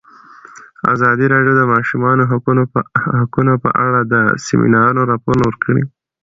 ازادي راډیو د د ماشومانو حقونه په اړه د سیمینارونو راپورونه ورکړي.